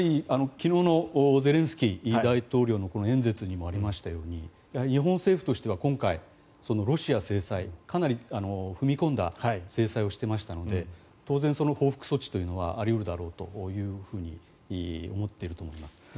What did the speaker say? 昨日のゼレンスキー大統領の演説にもありましたように日本政府としては今回、ロシア制裁かなり踏み込んだ制裁をしていましたので当然、その報復措置というのはあり得るだろうと思っていると思います。